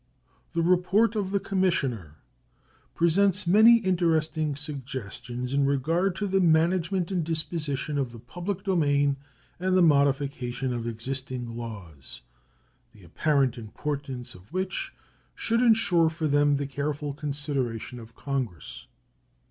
The report of the Commissioner presents many interesting suggestions in regard to the management and disposition of the public domain and the modification of existing laws, the apparent importance of which should insure for them the careful consideration of Congress.